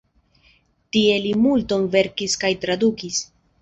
Tie li multon verkis kaj tradukis.